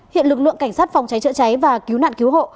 hiện lực lượng cảnh sát phòng cháy chữa cháy và cứu nạn cứu hộ